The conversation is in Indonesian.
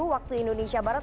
waktu indonesia barat